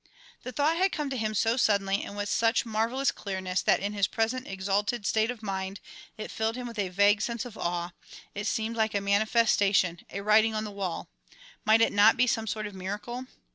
The thought had come to him so suddenly and with such marvellous clearness that in his present exalted state of mind it filled him with a vague sense of awe, it seemed like a manifestation, a writing on the wall. Might it not be some sort of miracle?